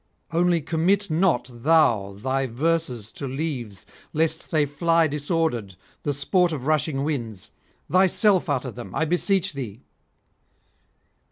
Only commit not thou thy verses to leaves, lest they fly disordered, the sport of rushing winds; thyself utter them, I beseech thee.'